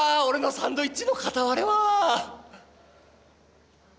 俺のサンドイッチの片割れは！